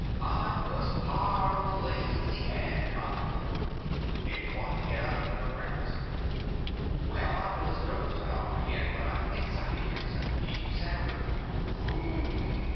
I was powerful lazy and comfortable—didn't want to get up and cook breakfast. Well, I was dozing off again when I thinks I hears a deep sound of "boom!"